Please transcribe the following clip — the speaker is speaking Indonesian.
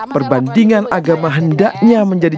perbandingan agama hendaknya menjadi